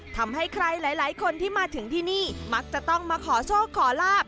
ทำให้ใครหลายคนที่มาถึงที่นี่มักจะต้องมาขอโชคขอลาบ